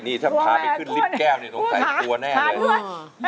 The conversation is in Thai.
โอ้ยนี่ถ้าพาไปขึ้นลิฟท์แก้วเนี่ยตัวใครกลัวแน่เลย